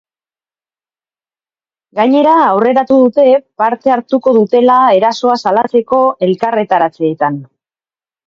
Gainera, aurreratu dute parte hartuko dutela erasoa salatzeko elkarretaratzeetan.